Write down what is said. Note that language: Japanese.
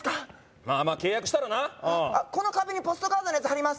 まあまあ契約したらなこの壁にポストカードのやつはります